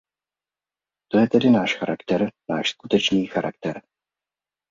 To je tedy náš charakter, náš skutečný charakter.